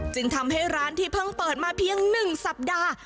จึงทำให้ร้านที่เพิ่งเปิดมาเพียง๑สัปดาห์